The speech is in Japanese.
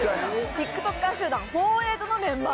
ＴｉｋＴｏｋｅｒ集団フォーエイト４８のメンバー。